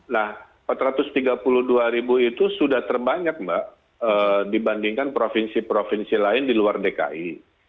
nah empat ratus tiga puluh dua ribu itu sudah terbanyak mbak dibandingkan provinsi provinsi lain di luar dki